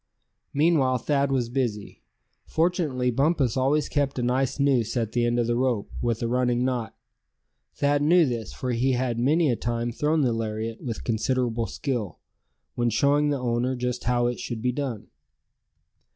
Meanwhile Thad was busy. Fortunately Bumpus always kept a nice noose at the end of the rope, with a running knot. Thad knew this, for he had many a time thrown the lariat with considerable skill, when showing the owner just how it should be done.